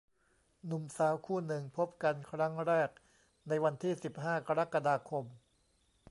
หนุ่มสาวคู่หนึ่งพบกันครั้งแรกในวันที่ สิบห้า กรกฎาคม